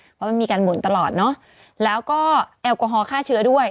เพราะมันมีการหมุนตลอดเนอะแล้วก็แอลกอฮอลฆ่าเชื้อด้วย